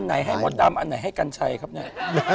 ไหนให้มดดำอันไหนให้กัญชัยครับเนี่ย